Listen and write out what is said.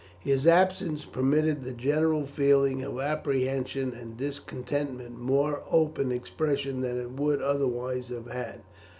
His absence permitted the general feeling of apprehension and discontentment more open expression than it would otherwise have had.